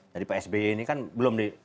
dari psb ini kan belum di